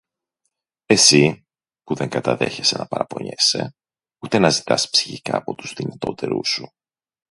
Εσύ, που δεν καταδέχεσαι να παραπονιέσαι, ούτε να ζητάς ψυχικά από τους δυνατότερους σου.